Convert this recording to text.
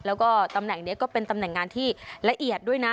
แล้วก็ตำแหน่งนี้ก็เป็นตำแหน่งงานที่ละเอียดด้วยนะ